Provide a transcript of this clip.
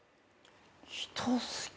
人好き。